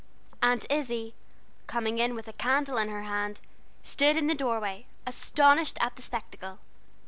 Aunt Izzie, coming in with a candle in her hand, stood in the doorway, astonished at the spectacle.